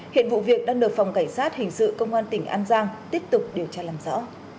hiện vụ việc đang được phòng cảnh sát hình sự công an tỉnh an giang tiếp tục điều tra làm rõ